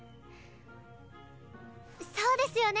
そうですよね？